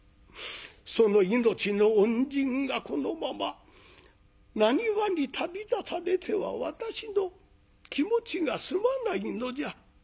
その命の恩人がこのまま浪速に旅立たれては私の気持ちが済まないのじゃ。